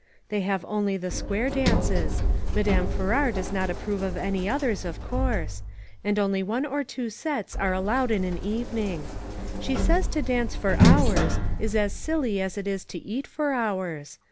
They have only the square dances ; Madame Farrar does not approve of any others, of course ; and only one or two sets are allowed in an evening She says to dance for hours, is as silly as it is to eat for hours.